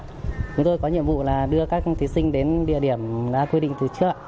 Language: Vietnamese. chúng tôi có nhiệm vụ là đưa các thí sinh đến địa điểm đã quy định từ trước ạ